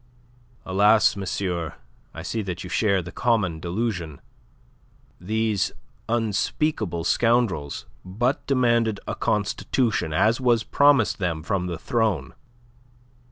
"Alas, monsieur, I see that you share the common delusion. These unspeakable scoundrels but demanded a constitution, as was promised them from the throne.